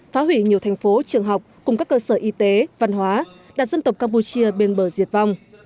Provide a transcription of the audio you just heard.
phá hủy nhiều thành phố trường học cùng các cơ sở y tế văn hóa đạt dân tộc campuchia bên bờ diệt vong